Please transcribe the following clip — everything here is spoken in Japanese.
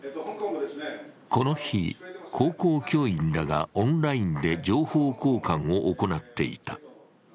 この日、高校教員らがオンラインで情報交換を行っていた。